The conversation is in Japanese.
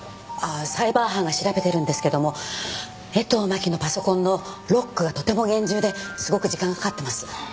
サイバー班が調べてるんですけども江藤真紀のパソコンのロックがとても厳重ですごく時間がかかってます。